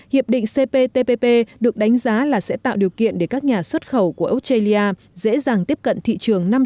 hiệp định cptpp được đánh giá là sẽ tạo điều kiện để các nhà xuất khẩu của australia dễ dàng tiếp cận thị trường năm trăm linh